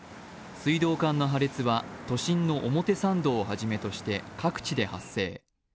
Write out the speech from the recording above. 水道管の破裂は都心の表参道をはじめとして各地で発生。